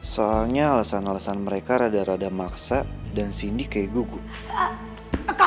soalnya alasan alasan mereka rada rada maksa dan cindy kayak gugup